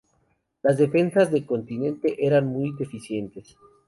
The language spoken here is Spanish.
Las defensas de continente eran muy deficientes.